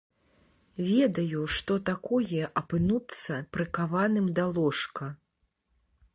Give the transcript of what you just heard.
Ведаю што такое апынуцца прыкаваным да ложка.